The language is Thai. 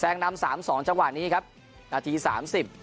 นำสามสองจังหวะนี้ครับนาทีสามสิบ